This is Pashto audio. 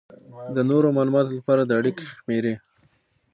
د نورو معلومات لپاره د تماس شمېرې: